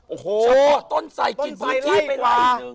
โอ้โหต้นไซด์กินพื้นที่เป็นไล่กว่า